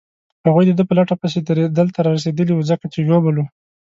هغوی د ده په لټه پسې دلته رارسېدلي وو، ځکه چې ژوبل وو.